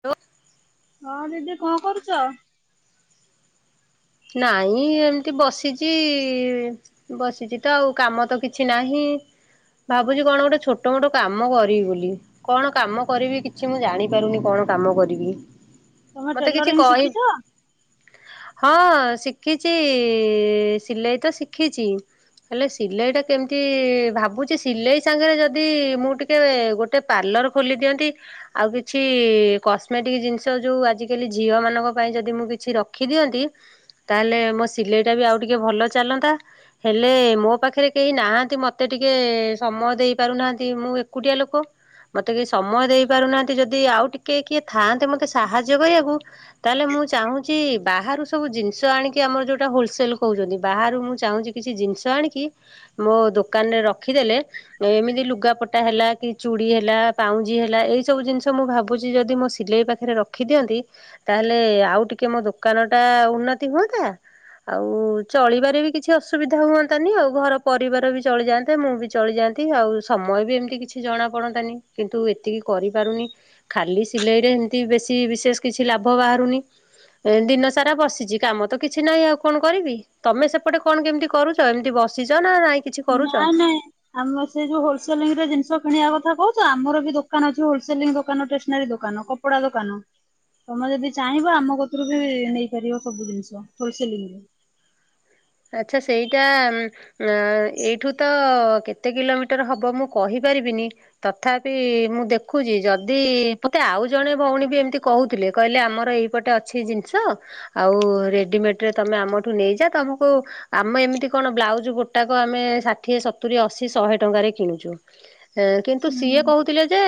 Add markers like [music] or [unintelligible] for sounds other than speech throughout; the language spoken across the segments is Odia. ହ୍ୟାଲୋ। ହଁ ଦିଦି କଣ କରୁଛ? ନାଇଁ ଏମିତି ବସିଛି। ବସିଛି ତ ଆଉ କାମ ତ କିଛି ନାହିଁ। ଭାବୁଛି କଣ ଗୋଟେ ଛୋଟ ମୋଟ କାମ କରିବି ବୋଲି। କଣ କାମ କରିବି କିଛି ମୁଁ ଜାଣିପାରୁନି କଣ କାମ କରିବି। ତମେ ମତେ କିଛି ଟେଲରିଂ କହି ଶିଖିଛ? ହଁ ଶିଖିଛି ସିଲେଇ ତ ଶିଖିଛି। ହେଲେ ସିଲେଇଟା କେମିତି ଭାବୁଛି ସିଲେଇ ସାଙ୍ଗରେ ଯଦି ମୁଁ ଟିକେ ଗୋଟେ ଗୋଟେ ପାର୍ଲର ଖୋଲି ଦିଅନ୍ତି ଆଉ କିଛି କସ୍ମେଟିକ ଜିନିଷ ଯୋଉଁ ଆଜିକାଲି ଝିଅ ମାନଙ୍କ ପାଇଁ ଯଦି ମୁଁ କିଛି ରଖିଦିଅନ୍ତି। ତାହେଲେ ମୋ ସିଲେଇଟା ବି ଆଉ ଟିକେ ଭଲ ଚାଲନ୍ତା। ହେଲେ ମୋ ପାଖରେ କେହି ନାହାନ୍ତି, ମତେ ଟିକେ ସମୟ ଦେଇ ପାରୁନାହାନ୍ତି, ମୁଁ ଏକୁଟିଆ ଲୋକ। ମୋତେ କେଇ ସମୟ ଦେଇପାରୁନାହାନ୍ତି, ଯଦି ଆଉ ଟିକେ କିଏ ଥାଆନ୍ତେ ମୋତେ ସାହାଯ୍ୟ କରିବାକୁ ତାହେଲେ ମୁଁ ଚାହୁଁଛି ବାହାରୁ ସବୁ ଜିନିଷ ଆଣିକି ଆମର ଯୋଉଁଟା ହୋଲସେଲ୍ କହୁଛନ୍ତି, ବାହାରୁ ମୁଁ ଚାହୁଁଛି କିଛି ଜିନିଷ ଆଣିକି ମୋ ଦୋକାନରେ ରଖିଦେଲେ। ଏମିତି ଲୁଗାପଟା ହେଲା କି ଚୁଡ଼ି ହେଲା, ପାଉଁଜି ହେଲା ଏଇ ସବୁ ଜିନିଷ ମୁଁ ଭାବୁଛି ଯଦି ମୋ ସିଲେଇ ପାଖ ପାଖରେ ରଖିଦିଅନ୍ତି, ତାହେଲେ ଆଉ ଟିକେ ମୋ ଦୋକାନ ଟା ଉନ୍ନତି ହୁଅନ୍ତା। ଆଉ ଚଳିବାରେ ବି କିଛି ଅସୁବିଧା ହୁଅନ୍ତାନି, ଆଉ ଘର ପରିବାର ବି ଚଳିଯାଆନ୍ତେ, ମୁଁ ବି ଚଳିଯାଆ ନ୍ତି ଆଉ ସମୟ ବି ଏମିତି କିଛି ଜଣା ପଡନ୍ତାନି କିନ୍ତୁ ଏତିକି କରିପାରୁନି। ଖାଲି ସିଲେଇ ରେ ଏମତି ବେଶୀ ବିଶେଷ କିଛି ଲାଭ ବାହାରୁନି, ଏମତି ଦି ସାରା ବସିଛି, କାମ ତ କିଛି ନାହିଁ ଆଉ କଣ କରିବି? ତମେ ସେପଟେ କଣ କେମିତି କରୁଛ, ଏମିତି ବସିଛ ନାଁ ନାଇଁ କିଛି କରୁଛ? ନାଇଁ ନାଇଁ ଆମେ ସେ ଯୋଉଁ ହୋଲସେଲିଂ ରେ ଜିନିଷ କିଣିବା କଥା କହୁଛ, ଆମର ବି ଦୋକାନ ଅଛି ହୋଲସେଲିଂ ଦୋକାନ ଷ୍ଟେସନାରୀ ଦୋକାନ। କୁକୁଡା ଦୋକାନ। ତମେ ଯଦି ଚାହିଁବ ଆମ କତରୁ ବି ନେଇପାରିବ ସବୁ ଜିନିଷ ଫୁଲ୍ ସେଲିଂରେ। ଆଚ୍ଛା ସେଇଟା ଆ ଏଇଠୁ ତ କେତେ କିଲୋମିଟର ହବ ମୁଁ କହିପାରିବିନି। ତଥାପି ମୁଁ ଦେଖୁଛି ଯଦି ମତେ ଆଉ ଜଣେ ଭଉଣୀ ବି ଏମିତି କହୁଥିଲେ କହିଲେ ଆମର ଏଇ ପଟେ ଅଛି ଜିନିଷ ଆଉ ରେଡିମେଡ୍ ରେ ତମେ ଆମଠୁ ନେଇଯାଅ ତମକୁ ଆମ ଏମିତି କଣ ବ୍ଲାଉଜ ଗୋଟାକ ଆମେ ଷାଠିଏ ସତୁରି ଅଶି ଶହେ ଟଙ୍କାରେ କିଣୁଛୁ। ହଁ କିନ୍ତୁ ସିଏ ହୁଁ। କହୁଥିଲେ ଯେ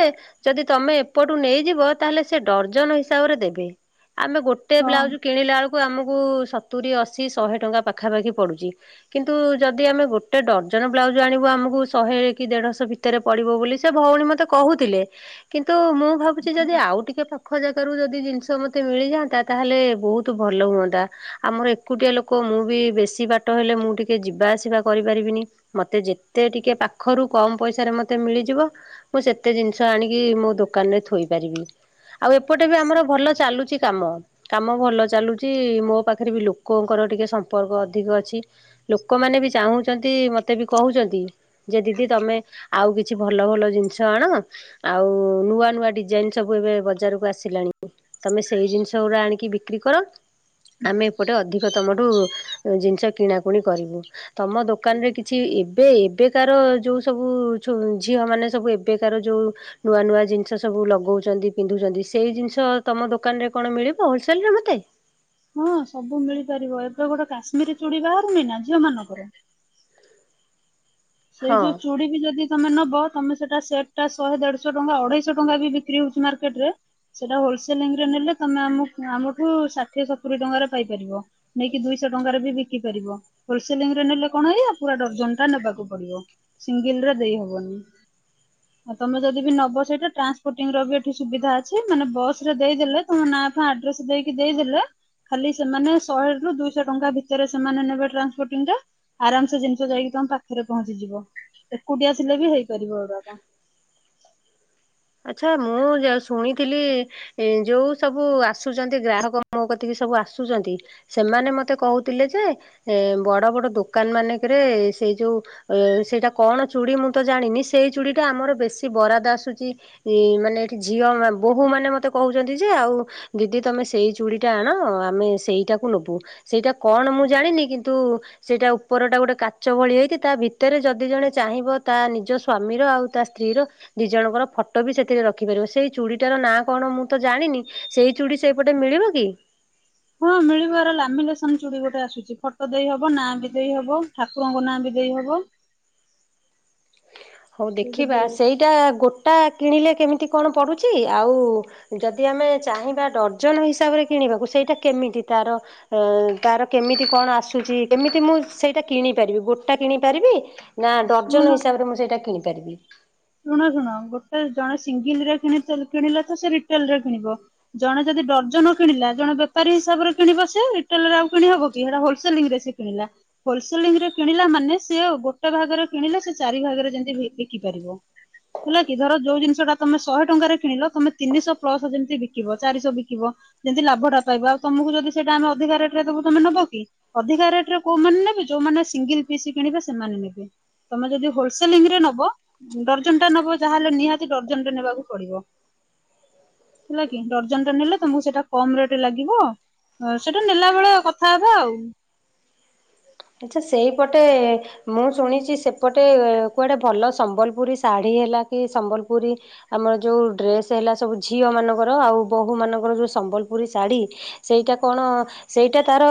ଯଦି ତମେ ଏପଟୁ ନେଇଯିବ ତାହେଲେ ସେ ଡଜନ୍ ହିସାବରେ ଦେବେ ଆମେ ଗୋଟେ ଗୋଟେ ହଁ ବ୍ଲାଉଜ୍ କିଣିଲା ବେଳକୁ ଆମକୁ ସତୁରି ଅଶୀ ଶହେ ଟଙ୍କା ପାଖାପାଖି ପଡୁଛି। କିନ୍ତୁ ଯଦି ଆମେ ଗୋଟେ ଡଜନ ବ୍ଲାଉଜ୍ ଆଣିବୁ ଆମକୁ ଶହେ କି ଦେଢ଼ଶହ ଭିତର ଭିତରେ ପଡିବ ବୋଲି ସେ ଭଉଣୀ ମତେ କହୁଥିଲେ। କିନ୍ତୁ ମୁଁ ଭାବୁଛି ଯଦି ଆଉ ଟିକେ ପାଖ ଜାଗ ରାରୁ ଯଦି ଜିନିଷ ମତେ ମିଳିଯାଆନ୍ତା। ତାହେଲେ ବୋହୁତ୍ ଭଲ ହୁଅନ୍ତା, ଆମର ଏକୁଟିଆ ଲୋକ ମୁଁ ବି ବେଶୀ ବାଟ ହେଲେ ମୁଁ ଟିକେ ଯିବା ଆସିବା କରିପାରିବିନି। ମତେ ଯେତେ ଟିକେ ପାଖରୁ କମ୍ ପଇସାରେ ମତେ ମିଳିଯିବ। ମୁଁ ସେତେ ଜିନିଷ ଆଣିକି ମୋ ଦୋକାନରେ ଥୋଇ ପାରିବି। ଆଉ ଏପଟେ ବି ଆମର ଭଲ ଚାଲୁଚି କାମ। କାମ ଭଲ ଚାଲୁଛି ମୋ ପାଖରେ ବି ଲୋକଙ୍କର ଟିକେ ସମ୍ପର୍କ ଅଧିକ ଅଛି। ଲୋକମାନେ ବି ଚାହୁଁଛନ୍ତି ମତେ ବି କହୁଛନ୍ତି। ଯେ ଦିଦି ତମେ ଆଉ କିଛି ଭଲ ଭଲ ଜିନିଷ ଆଣ। ଆଉ ନୂଆ ନୂଆ ଡିଜାଇନ ସବୁ ଏବେ ବଜାରକୁ ଆସିଲାଣି। ତମେ ସେଇ ଜିନିଷ ଗୁଡା ଆଣିକି ବିକ୍ରି କର ଆମେ ଏପଟେ ଅଧିକ ତମଠୁ ଜିନିଷ କିଣାକୁଣି କରିବୁ। ତମ ଦୋକାନରେ କିଛି ଏବେ ଏବେକାର ଯୋଉଁ ସବୁ ଝିଅ ମାନେ ସବୁ ଏବେକାର ଯୋଉଁ ନୂଆ ନୂଆ ଜିନିଷ ସବୁ ଲଗଉଛନ୍ତି, ପିନ୍ଧୁଛନ୍ତି ସେଇ ଜିନିଷ ତମ ଦୋକାନରେ କଣ ମିଳିବ ହୋଲସେଲ୍ ରେ ମୋତେ। ହଁ ସବୁ ମିଳିପାରିବ ଏବେ ଗୋଟେ କାଶ୍ମୀର ଚୁଡି ବାହାରୁନି ନା ଝିଅ ମାନଙ୍କର। ସେଇ ହଁ। ଯୋଉଁ ଚୁଡି ବି ଯଦି ତମେ ନବ ତମେ ସେଟା ସେଟ୍ ଟା ଶହେ ଦେଢଶହ ଟଙ୍କା ଅଢେଇଶହ ଟଙ୍କା ବି ବିକ୍ରି ହଉଛି ମର୍କେଟ୍ ରେ। ସେଟା ହୋଲସେଲିଂ ରେ ନେଲେ ତମେ ଆମ ଆମଠୁ ଷାଠିଏ ସତୁରି ଟଙ୍କାରେ ପାଇପାରିବ। ନେଇକି ଦୁଇଶହ ଟଙ୍କାରେ ବି ବିକି ପାରିବ ହୋଲସେଲିଂ ରେ ନେଲେ କଣ ହେଇ ପୁରା ଡଜନ ଟା ନବାକୁ ପଡିବ ସିଙ୍ଗିଲ ର ଦେଇ ହବନି। ଆଉ ତମେ ଯଦି ବି ନବ ସେଇଟା ଟ୍ରାନ୍ସପୋର୍ଟିଂ ର ବି ଏଠି ସୁବିଧା ଅଛି ମାନେ ବସ ରେ ଦେଇଦଲେ ତମ ନାଁ ଫା ଆଡ୍ରେସ ଦେଇକି ଦେଇଦେଲେ ଖାଲି ସେମାନେ ଶହେ ରୁ ଦୁଇଶହ ଟଙ୍କା ଭିତରେ ସେମାନେ ନେବେ ଟ୍ରାନ୍ସପୋଟିଂ ଟା ଆରାମ ସେେ ଜିନିଷ ଯାଇକି ତମ ପାଖରେ ପହଞ୍ଚିଯିବ ଏକୁଟିି ଥିଲେବି ବି ହେଇପାରିବ ଏଉରାକ। ଆଚ୍ଛା ମୁଁ ଯ ଶୁଣିଥିଲି ଏ ଯୋଉ ସବୁ ଆସୁଛନ୍ତି ଗ୍ରାହକ ମୋ କତିକି ସବୁ ଆସୁଚନ୍ତି ସେମାନେ ମତେ କହୁଥିଲେ ଯେ ଏ ବଡ଼ ବଡ଼ ଦୋକାନ ମାନଙ୍କରେ ସେଇ ଯୋଉ ସେଇଟା କଣ ଚୁଡି ମୁଁ ତ ଜାଣିନି ସେଇ ଚୁଡିଟା ଆମର ବେଶୀ ବରାଦ ଆସୁଛି ମାନେ ଏଠି ଝିଅ ବୋହୂ ମାନେ ମୋତେ କହୁଛନ୍ତି ଯେ ଆଉ ଦିଦି ତମେ ସେଇ ଚୁଡ଼ି ଟା ଆଣ ଆମେ ସେଇଟାକୁ ନବୁ ସେଇଟା କଣ ମୁଁ ଜାଣିନି କିନ୍ତୁ ସେଇଟା ଉପରଟା ଗୋଟେ କାଚ ଭଳି ହେଇଛି ତା ଭିତରେ ଯଦି ଜଣେ ଚାହିଁବ ତା ନିଜ ସ୍ୱାମୀର ଆଉ ତା ସ୍ତ୍ରୀର ଦି ଜଣଙ୍କର ଫଟୋ ଫଟୋ ବି ସେଥିରେ ରଖିପାରିବ ସେଇ ଚୁଡ଼ିଟାର ନାଁ କଣ ମୁଁ ତ ଜାଣିନି ସେଇ ଚୁଡ଼ି ସେପଟେ ମିଳିବ କି ହଁ ମିଳିବାର ଲାମିଲେସନ ଚୁଡି ଗୋଟେ ଆସୁଛି ଫଟୋ ଦେଇ ହବ ନାଁ ବି ଦେଇ ହବ ଠାକୁରଙ୍କ ନାଁ ବି ଦେଇ ହବ। [inaudible] ହଉ ଦେଖିବା ସେଇଟା ଗୋଟା କିଣିଲେ କେମିତି କଣ ପଡ଼ୁଛି ଆଉ ଯଦି ଆମେ ଚାହିଁବା ଡର୍ଜନ ହିସାବରେ କିଣିବାକୁ ସେଇଟା କେମିତି ତାର ଅ ତାର କେମିତି କଣ ଆସୁଛି କେମିତି ମୁଁ ସେଇଟା କିଣି ପାରିବି ଗୋଟା କିଣି ପାରିବି ନା ଡର୍ଜନ ଶୁଣ ହିସାବରେ ମୁଁ ସେଇଟା କିଣିପାରିବି? ଶୁଣ ଶୁଣ ଗୋଟେ ଜଣେ ସିଙ୍ଗିଲରେ କିଣିଲେ ତ ସେ ରିଟେଲ ରେ କିଣିବ ଜଣେ ଯଦି ଡ୍ରଜନ କିଣିଲା ଜଣେ ବେପାରି ହିସାବରେ କିଣିବ ସେ ରିଟେଲରେ ଆଉ କିଣି ହବ କି ହେଇଟା ହୋଲସେଲିଙ୍ଗରେ ସେ କିଣିଲା। ହୋଲସେଲିଂ ରେ କିଣିଲା ମାନେ ସେ ଗୋଟେ ଭାଗରେ କିଣିଲେ ସେ ଚାରି ଭାଗରେ ଯେମିତି ବି ବିକି ପାରିବ। [unintelligible] ହେଲା କି ଧର ଯୋଉ ଜିନିଷଟା ତମେ ଶହେ ଟଙ୍କାରେ କିଣିଲ ତମେ ତିନିଶହ ପ୍ଲସ ଯେମିତି ବିକିବ ଚାରିଶହ ବିକିବ। ଯେତି ଲାଭଟା ପାଇବ ଆଉ ତମକୁ ଯଦି ସେଇଟା ଆମେ ଅଧିକା ରେଟ୍ ରେ ତବୁ ତମେ ନବ କି? ଅଧିକା ରେଟରେ କୋଉମାନେ ନେବେ ଯୋଉମାନେ ସିଙ୍ଗଲ ପିସ୍ କିଣିବେ ସେମାନେ ନେବେ। ତମେ ଯଦି ହୋଲସେଲିଂ ରେ ନବ ଡର୍ଜନଟେ ନେବ ଯାହାହେଲେ ନିହାତି ଡର୍ଜନଟେ ନେବାକୁ ପଡିବ। ହେଲା କି ଡର୍ଜନଟେ ନେଲେ ତମକୁ ସେଟା କମ ରେଟ୍ ଲାଗିବ। ହଁ ସେଇଟା ନେଲା ବେଳେ କଥା ହବା ଆଉ। ଆଚ୍ଛା ସେଇ ପଟେ ମୁଁ ଶୁଣିଚି ସେପଟେ କୁଆଡ଼େ ଭଲ ସମ୍ବଲପୁରୀ ଶାଢ଼ୀ ହେଲା କି ସମ୍ବଲପୁରୀ ଆମର ଯୋଉ ଡ୍ରେସ୍ ହେଲା ସବୁ ଝିଅ ମାନଙ୍କର ଆଉ ବୋହୂ ମାନଙ୍କର ଯୋଉ ସମ୍ବଲପୁରୀ ଶାଢ଼ୀ ସେଇଟା କଣ ସେଇଟା ତାର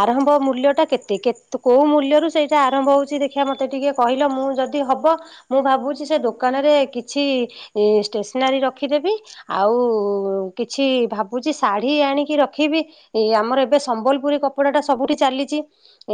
ଆରମ୍ଭ ମୂଲ୍ୟ ଟା କେତେ କେତେ କୋଉ ମୂଲ୍ୟରୁ ସେଇଟା ଆରମ୍ଭ ହଉଚି ଦେଖିଆ ମୋତେ ଟିକେ କହିଲ ମୁଁ ଯଦି ହବ ମୁଁ ଭାବୁଚି ସେ ଦୋକାନରେ କିଛି ଷ୍ଟେସନାରୀ ରଖିଦେବି ଆଉ କିଛି ଭାବୁଚି ଶାଢ଼ୀ ଆଣିକି ରଖିବି ଏଇ ଆମର ଏବେ ସମ୍ବଲପୁରୀ କପଡାଟା ସବୁଠି ଚାଲିଚି।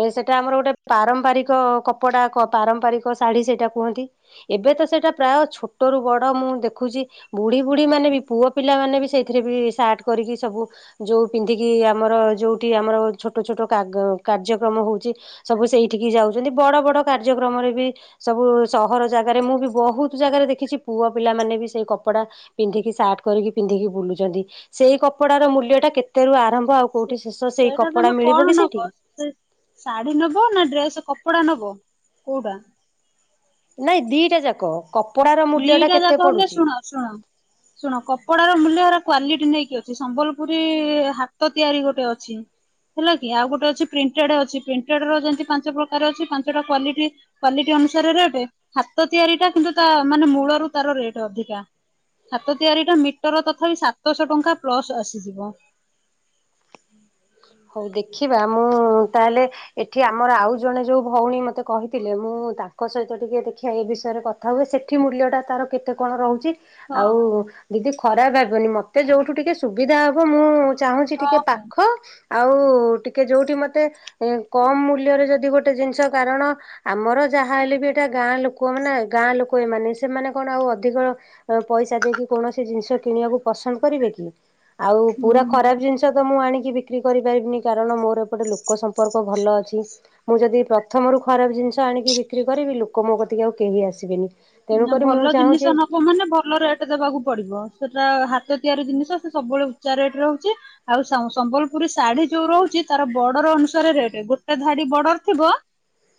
ଏ ସେଇଟା ଆମର ଗୋଟେ ପାରମ୍ପରିକ କପଡା କ ପାରମ୍ପରିକ ଶାଢୀ ସେଇଟା କୁହନ୍ତି। ଏବେ ତ ସେଇଟା ପ୍ରାୟ ଛୋଟରୁ ବଡ଼ ମୁଁ ଦେଖୁଛି ବୁଢ଼ୀ ବୁଢ଼ୀ ମାନେ ବି ପୁଅ ପିଲା ମାନେ ବି ସେଇଥିରେ ବି ସାର୍ଟ କରିକି ସବୁ ଯୋଉ ପିନ୍ଧିକି ଆମର ଯୋଉଠି ଆମର ଛୋଟ ଛୋଟ କା କାର୍ଯ୍ୟକ୍ରମ ହଉଚି ସବୁ ସେଇଠିକି ଯାଉଚନ୍ତି, ବଡ ବଡ କାର୍ଯ୍ୟକ୍ରମରେ ବି ସବୁ ସହର ଜାଗାରେ ମୁଁ ବି ବହୁତ୍ ଜାଗାରେ ଦେଖିଚି ପୁଅ ପିଲାମାନେ ବି ସେଇ କପଡ଼ା ପିନ୍ଧିକି ସାର୍ଟ କରିକି ପିନ୍ଧିକି ବୁଲୁଚନ୍ତି, ସେଇ କପଡାର ମୂଲ୍ୟଟା କେତେ ରୁ ଆରମ୍ଭ ଆଉ କୋଉଠି ଶେଷ ସେଇ ସେଇଟା ତମେ କପଡା କଣ ମିଳିବ କି ନବ? ସେଇଠି? ସେ ଶାଢୀ ନବ ନା ଡ୍ରେସ୍ କପଡା ନବ କୋଉଟା? ନାଇ ଦିଟା ଯାକ, କପଡାର ମୂଲ୍ୟ ଟା ଦିଟା କେତେ ଯାକ ହେଲେ ପଡୁଚି? ଶୁଣ ଶୁଣ ଶୁଣ କପଡାର ମୂଲ୍ୟ ହେରା କ୍ଵାଲିଟି ନେଇକି ଅଛି, ସମ୍ବଲପୁରୀ ହାତ ତିଆରି ଗୋଟେ ଅଛି ହେଲା କି ଆଉ ଗୋଟେ ଅଛି ପ୍ରିଣ୍ଟେଡ୍ ଅଛି ପ୍ରିଣ୍ଟେଡ୍ ର ଯେମିତି ପାଞ୍ଚ ପ୍ରକାର ଅଛି ପାଞ୍ଚଟା କ୍ୱାଲିଟି କ୍ୱାଲିଟି ଅନୁସାରେ ରେଟ୍ ହାତ ତିଆରି ଟା କିନ୍ତୁ ତା ମାନେ ମୂଳରୁ ତାର ରେଟ୍ ଅଧିକା। ହାତ ତିଆରି ଟା ମିଟର ତଥାପି ସାତଶହ ଟଙ୍କା ପ୍ଲସ ଆସିଯିବ। ହଉ ଦେଖିବା ମୁଁ ତାହେଲେ ଏଠି ଆମର ଆଉ ଜଣେ ଯୋଉ ଭଉଣୀ ମତେ କହିଥିଲେ ମୁଁ ତାଙ୍କ ସହିତ ଟିକେ ଦେଖିଆ ଏ ବିଷୟରେ କ କଥା ହୁଏ ସେଠି ମୂଲ୍ୟଟା ତାର କେତେ କଣ ରହୁଚି? ହଁ ଆଉ ଦିଦି ଖରାପ ଭାବିବନି ମତେ ଯୋଉଠୁ ଟିକେ ସୁବିଧା ହବ ମୁଁ ଚାହୁଁଚି ହଁ ଟିକେ ହଁ ପାଖ ଆଉ ଟିକେ ଯୋଉଠି ମତେ ହୁଁ କମ୍ ମୂଲ୍ୟରେ ଯଦି ଗୋଟେ ଜିନିଷ କାରଣ ଆମର ଯାହାହେଲେ ବି ଏଟା ଗାଁ ଲୋକ ମାନେ ଗାଁ ଲୋକ ଏମାନେ ସେମାନେ କଣ ଆଉ ଅଧିକ ପଇସା ଦେଇକି କୌଣସି ଜିନିଷ କିଣିବାକୁ ପସନ୍ଦ କରିବେ କି? ଆଉ ପୁରା ହୁଁ। ଖରାପ୍ ଜିନିଷ ତ ମୁଁ ଆଣିକି ବି ବିକ୍ରି କରିପାରିବିନି କାରଣ ମୋର ଏପଟେ ଲୋକ ସମ୍ପର୍କ ଭଲ ଅଛି। ମୁଁ ଯଦି ପ୍ରଥମରୁ ଖରାପ୍ ଜିନିଷ ଆଣିକି ବିକ୍ରି କରିବି ଲୋକ ମୋ କତିକି ଆଉ କେହି ଆସିବେନି। ତେଣୁକରି ମୁଁ ଚାହୁଁଚି ଲୋକମାନେ ଭଲ ରେଟ୍ ଦବାକୁ ପଡିବ ସେଟା ହାତ ତିଆରି ଜିନିଷ ସେ ସବୁବେଳେ ଉଚ୍ଚା ରେଟ ରହୁଚି ଆଉ ସ ସମ୍ବଲପୁରୀ ଶାଢୀ ଯୋଉ ରହୁଚି ତାର ବର୍ଡର ଅନୁସାରେ ରେଟ୍ ଗୋଟେ ଧଡି ବର୍ଡର ଥିବ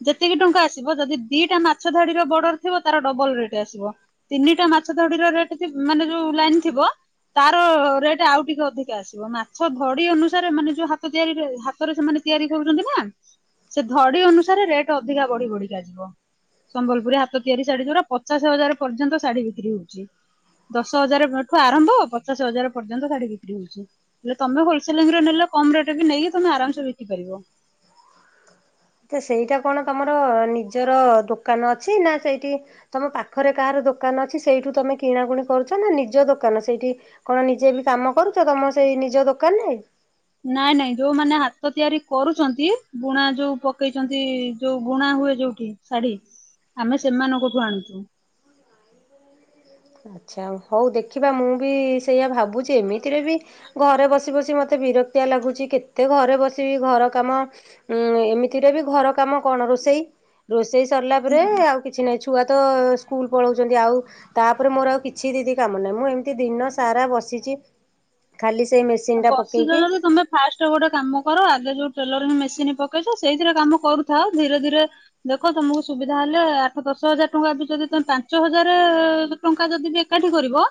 ଯେତିକି ଟଙ୍କା ଆସିବ ଯଦି ଦିଟା ମାଛ ଧାଡିର ବର୍ଡର ଥିବ ତାର ଡବଲ ରେଟ୍ ଆସିବ ତିନିଟା ମାଛ ଧାଡିର ରେଟ୍ ମାନେ ଯୋଉ ଲାଇନ୍ ଥିବ ତାର ରେଟ୍ ଆଉ ଟିକେ ଅଧିକା ଆସିବ ମାଛ ଧଡି ଅନୁସାରେ ମାନେ ଯୋଉ ହାତ ତିଆରିରେ ହା ତରେ ସେମାନେ ତିଆରି କରୁଛନ୍ତି ନା ସେ ଧଡି ଅନୁସାରେ ରେଟ୍ ଅଧିକା ବଢି ବଢିକା ଚାଲିଥିବ ସମ୍ବଲପୁରୀ ହାତ ତିଆରି ଶାଢୀ ଯୋଡା ପଚାଶ ହଜାର ପର୍ଯ୍ୟନ୍ତ ଶାଢୀ ବିକ୍ରି ହଉଛି ଦଶ ହଜାରଠୁ ଆରମ୍ଭ ପଚାଶ ହଜାର ପର୍ଯ୍ୟନ୍ତ ଶାଢୀ ବିକ୍ରି ହଉଛି ଯେ ତମେ ହୋଲସେଲିଂରେ ନେଲେ କମ୍ ରେଟ୍ ରେ ନେଇକି ତମେ ଆରାମ୍ ସେ ବିକ୍ରି କରିପାରିବ। ତ ସେଇଟା କଣ ତମର ନିଜର ଦୋକାନ ଅଛି ନା ସେଇଠି ତମ ପାଖରେ କାହାର ଦୋକାନ ଅଛି ସେଇଠୁ ତମେ କିଣାକୁଣି କରୁଛ ନା ନିଜ ଦୋକାନ ସେଇଠି କଣ ନିଜେ ବି କାମ କରୁଛ ତମ ସେଇ ନିଜ ଦୋକାନରେ ନାଇଁ ନାଇଁ ଯୋଉମାନେ ହାତ ତିଆରି କରୁଛନ୍ତି ବୁଣା ଯୋଉ ପକେଇଛନ୍ତି ଯୋଉ ବୁଣା ହୁଏ ଯୋଉଠି ଶାଢ଼ୀ ଆମେ ସେମାନଙ୍କଠୁ ଆଣୁଛୁ। ଆଚ୍ଛା ହଉ ଦେଖିବା ମୁଁ ବି ସେଇଆ ଭାବୁଛି ଏମିତିରେ ବି ଘରେ ବସି ବସି ମତେ ବିରକ୍ତିଆ ଲାଗୁଛି କେତେ ଘରେ ବସିବି ଘର କାମ ଉଁ ଏମିତିରେ ବି ଘର କାମ କଣ ରୋଷେଇ ରୋଷେଇ ସରିଲା ପରେ ଆଉ କିଛି ନାହିଁ ଛୁଆ ତ ସ୍କୁଲ ପଳଉଛନ୍ତି ଆଉ ତା ପରେ ମୋର ଆଉ କିଛି ଦିଦି କାମ ନାହିଁ, ମୁଁ ଏମିତି ଦିନ ସାରା ବସିଛି ଖାଲି ସେ ମେସ୍ ଆ ବସିଚ ଯଦି ତମେ ଫାଷ୍ଟ ଗୋଟେ କାମ କର ଆଗେ ଯୋଉ ଟେଲରିଙ୍ଗି ମେସିନି ପକେଇଚ ସେଇଥିରେ କାମ କରୁଥାଅ ଧୀରେ ଧୀରେ ଦେଖ ତମକୁ ସୁବିଧା ହେଲେ ଆଠ ଦଶ ହଜାର ଟଙ୍କା ଯଦି ତମେ ପାଞ୍ଚ ହଜାରେ ଟଙ୍କା ଯଦି ବି ଏକାଠି କରିବ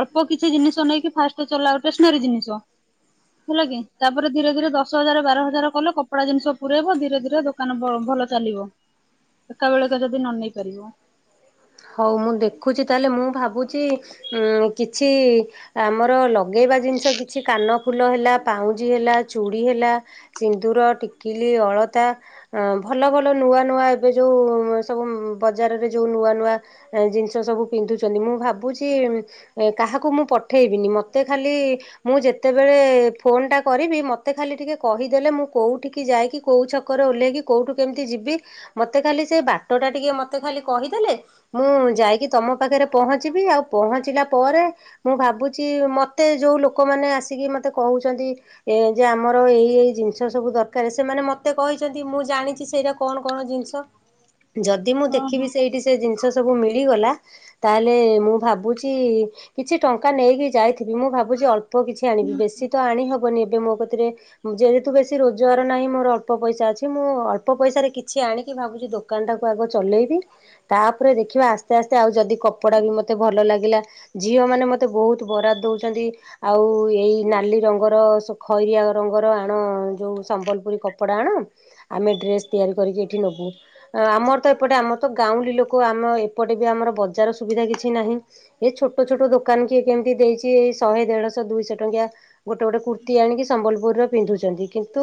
ଅଳ୍ପ କିଛି ଜିନିଷ ନେଇକି ଫାଷ୍ଟ ଚଲାଅ ଟେସନାରୀ ଜିନିଷ। ହେଲାକି ତାପରେ ଧୀରେ ଧୀରେ ଦଶ ହଜାର ବାର ହଜାର କଲ କପଡା ଜିନିଷ ପୁରେଇବ ଧୀରେ ଧୀରେ ଦୋ ଦୋକାନ ଭଲ ଚାଲିବ ଏକା ବେଳେକେ ଯଦି ନ ନନେଇ ପାରିବ। ହଉ ମୁଁ ଦେଖୁଚି ତାହେଲେ ମୁଁ ଭାବୁଚି ଉଁ କିଛି ଆମର ଲଗେଇବା ଜିନିଷ କିଛି କାନ ଫୁଲ ହେଲା ପାଉଁଜି ହେଲା ଚୁଡ଼ି ହେଲା ସିନ୍ଦୁର ଟିକିଲି ଅଳତା ଅ ଭଲ ଭଲ ନୂଆ ନୂଆ ଏବେ ଯୋଉ ସବୁ ବଜାରରେ ଯୋଉ ନୂଆ ନୂଆ ଜିନିଷ ସବୁ ପିନ୍ଧୁଚନ୍ତି ମୁଁ ଭାବୁଚି ଏ କାହାକୁ ମୁଁ ପଠେଇବିନି ମତେ ଖାଲି ମୁଁ ଯେତେବେଳେ ଫୋନଟା କରିବି ମତେ ଖାଲି ଟିକେ କହିଦେଲେ ମୁଁ କୋଉଠିକି ଯାଇକି କୋଉ ଛ ଛକରେ ଓହ୍ଲେଇକି କୋଉଠୁ କେମିତି ଯିବି ମତେ ଖାଲି ସେ ବାଟଟା ଟିକେ ମତେ ଖାଲି କହିଦେଲେ ମୁଁ ଯାଇକି ତମ ପାଖରେ ପହଞ୍ଚିବି ଆଉ ପହଞ୍ଚିଲା ପରେ ମୁଁ ଭାବୁଚି ମତେ ଯୋଉ ଲୋକମାନେ ଆସିକି ମତେ କହୁଚନ୍ତି ଏ ଯେ ଆମର ଏଇ ଏଇ ଜିନିଷ ସବୁ ଦରକାର ସେମାନେ ମତେ କହିଛନ୍ତି ମୁଁ ଜାଣିଚି ସେଇଟା କଣ କଣ ଜିନିଷ ଯଦି ମୁଁ ହଁ ଦେଖିବି ହଁ ସେଇଠି ସେ ଜିନିଷ ତ ସବୁ ମିଳିଗଲା ତାହେଲେ ମୁଁ ଭାବୁଚି କିଛି ଟଙ୍କା ନେଇକି ଯାଇଥି ମୁଁ ଭାବୁଚି ଅଳ୍ପ କିଛି ଆଣିବି ବେଶୀ ତ ଆଣିହବନି ଏବେ ମୋ କତିରେ ଯେହେତୁ ବେଶୀ ରୋଜଗାର ନାହିଁ ମୋର ଅଳ୍ପ ପଇସା ଅଛି ମୁଁ ଅଳ୍ପ ପଇସାରେ କିଛି ଆଣିକି ଭାବୁଚି ଦୋ ଦୋକାନଟାକୁ ଆଗ ଚଲେଇବି ତାପରେ ଦେଖିବା ଆସ୍ତେ ଆସ୍ତେ ଆଉ ଯଦି କପଡ଼ା ବି ମତେ ଭଲ ଲାଗିଲା ଝିଅ ମାନେ ମତେ ବହୁତୁ ବରାଦ ଦଉଚନ୍ତି ଆଉ ଏଇ ନାଲି ରଙ୍ଗର ଖଇରିଆ ରଙ୍ଗର ଆଣ ଯୋଉ ସମ୍ବଲପୁରୀ କପଡ଼ା ଆଣ ଆମେ ଡ୍ରେସ ତିଆରି କରିକି ଏଇଠି ନବୁ ଆମର ତ ଏପଟେ ଆମର ତ ଗାଉଁଲି ଲୋ ଲୋକ ଆମ ଏପଟେ ବି ଆମର ବଜାର ସୁବିଧା କିଛି ନାହିଁ। ଏ ଛୋଟ ଛୋଟ ଦୋକାନ କିଏ କେମିତି ଦେଇଚି ଏଇ ଶହେ ଦେଢଶହ ଦୁଇଶହ ଟଙ୍କିଆ ଗୋଟେ ଗୋଟେ କୁର୍ତ୍ତି ଆଣିକି ସମ୍ବଲପୁରୀର ପିନ୍ଧୁଚନ୍ତି କିନ୍ତୁ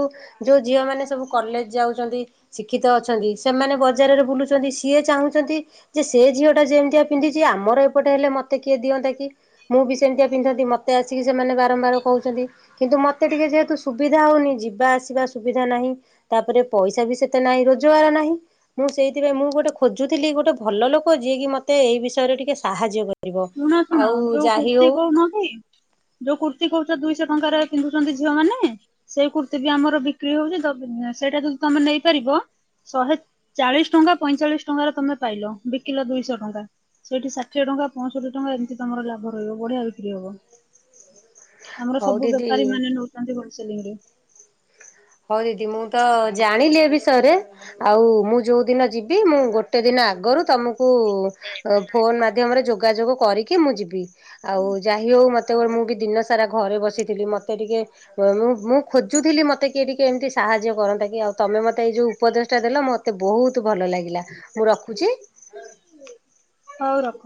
ଯୋଉ ଝିଅମାନେ ସବୁ କଲେଜ ଯାଉଚନ୍ତି ଶିକ୍ଷିତ ଅଛନ୍ତି ସେମାନେ ବଜାରରେ ବୁଲୁଚନ୍ତି ସିଏ ଚାହୁଁଚନ୍ତି ଯେ ସେ ଝିଅଟା ଯେମିତିଆ ପିନ୍ଧିଚି ଆମର ଏପଟେ ହେଲେ ମତେ କିଏ ଦିଅନ୍ତା କି? ମୁଁ ବି ସେମିତିଆ ପିନ୍ଧନ୍ତି ମୋତେ ଆସିକି ସେମାନେ ବାରମ୍ବାର କହୁଚନ୍ତି କିନ୍ତୁ ମତେ ଟିକେ ଯେହେତୁ ସୁବିଧା ହଉନି ଯିବା ଆସିବା ସୁବିଧା ନାହିଁ ତାପରେ ପଇସା ବି ସେତେ ନାହିଁ ରୋଜଗାର ନାହିଁ। ମୁଁ ସେଇଥିପାଇଁ ମୁଁ ଗୋଟେ ଖୋଜୁଥିଲି ଗୋଟେ ଭଲଲୋକ ଯିଏ କି ମତେ ଏଇ ବିଷୟରେ ଟିକେ ସାହାଯ୍ୟ କରିବ। ଶୁଣ ଶୁଣ ଆଉ ଯୋଉ ଯାହି କୁର୍ତ୍ତୀ ହଉ କହୁ ନକି ଯୋଉ କୁର୍ତ୍ତୀ କହୁଚ ଦୁଇଶହ ଟଙ୍କାରେ ପିନ୍ଧୁଚନ୍ତି ଝିଅ ମାନେ- ସେଇ କୁର୍ତ୍ତିୀ ବି ଆମର ବିକ୍ରି ହଉଚି ସେଇଟା ଯଦି ତମେ ନେଇପାରିବ? ଶହେ ଚାଳିଶି ଟଙ୍କା ପଇଁଚାଳିଶି ଟଙ୍କାର ତମେ ପାଇଲ ବିକିଲ ଦୁଇଶହ ଟଙ୍କା। ସେଇଠି ଷାଠିଏ ଟଙ୍କା ପଞ୍ଚଷଠି ଟଙ୍କା ଏମିତି ତମର ଲାଭ ରହିବ ବଢିଆ ବିକ୍ରି ହବ। ଆମର ହଉ ସବୁ ଦିଦି ବେପାରୀ ମାନେ ନଉଚନ୍ତି ଗୋସଲିଂ ରେ। ହଉ ଦିଦି ମୁଁ ତ ଜାଣିଲି ଏ ବିଷୟରେ ଆଉ ମୁଁ ଯୋଉ ଦିନଯିବି ମୁଁ ଗୋଟେ ଦିନ ଆଗରୁ ତମକୁ- କୁ ଫୋନ ମାଧ୍ୟମରେ ଯୋଗାଯୋଗ କରିକି ମୁଁ ଯିବି ଆଉ ଯାହି ହଉ ମତେ- ସେତେବେଳେ ମୁଁ ବି ଦିନ ସାରା ଘରେ ବସିଥିଲି ମତେ ଟିକେ ମୁଁ ମୁଁ ଖୋଜୁଥିଲି ମତେ- ମୋତେ କିଏ ଟିକେ ଏମିତି ସାହାଯ୍ୟ କରନ୍ତା କି ଆଉ ତମେ ମତେ ଏଇ ଯଉ ଉପଦେଶ ଟା ଦେଲ ମୋତେ ବହୁତଲ ଲାଗେ। ମୁଁ ରଖୁଛି। ହଉ ରଖ।